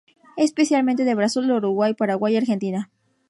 Especialmente de Brasil, Uruguay, Paraguay y Argentina.